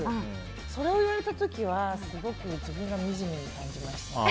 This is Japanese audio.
それを言われた時はすごく自分がみじめに感じました。